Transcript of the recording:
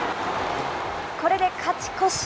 これで勝ち越し。